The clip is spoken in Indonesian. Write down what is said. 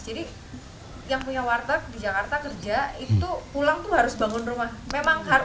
jadi yang punya warteg di jakarta kerja itu pulang harus bangun rumah